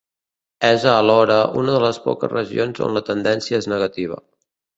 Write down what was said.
És alhora una de les poques regions on la tendència és negativa.